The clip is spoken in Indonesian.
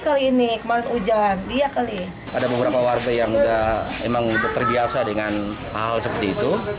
kali ini kemarin hujan dia kali ada beberapa warga yang udah emang terbiasa dengan hal seperti itu